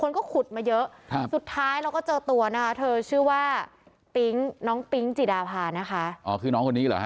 คนก็ขุดมาเยอะสุดท้ายเราก็เจอตัวนะคะเธอชื่อว่าน้องติ๊งจิดาพานะคะ